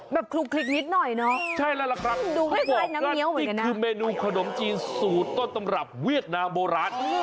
แบบคลุกคลิกนิดหน่อยเนอะดูให้น้ำเงียวเหมือนกันนะครับนี่คือเมนูขนมจีนสูดต้นตำบลับวิทยาลัยโบราณ